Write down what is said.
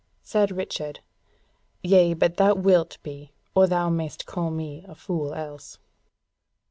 Said Richard: "Yea, but thou wilt be, or thou mayst call me a fool else."